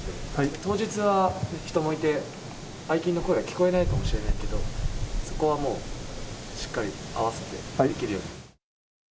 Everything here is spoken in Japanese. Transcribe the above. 当日は人もいて、相手の声も聞こえないかもしれないけど、そこはもう、しっかり合わせてできるように。